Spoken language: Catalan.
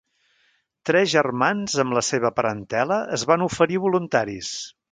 Tres germans, amb la seva parentela, es van oferir voluntaris.